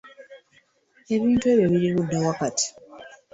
Ebintu ebyo biri ludda wa kati?